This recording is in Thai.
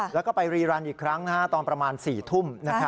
แล้วก็ไปรีรันอีกครั้งตอนประมาณ๔ทุ่ม